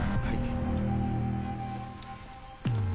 はい。